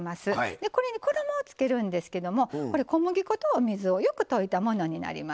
でこれに衣をつけるんですけどもこれ小麦粉とお水をよく溶いたものになりますね。